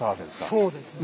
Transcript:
そうです。